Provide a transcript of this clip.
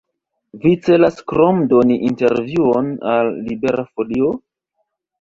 Vi celas krom doni intervjuon al Libera Folio?